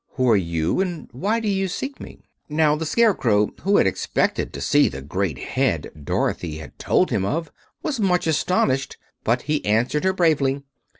Who are you, and why do you seek me?" Now the Scarecrow, who had expected to see the great Head Dorothy had told him of, was much astonished; but he answered her bravely.